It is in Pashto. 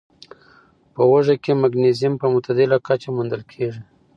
په هوږه کې مګنيزيم په معتدله کچه موندل کېږي.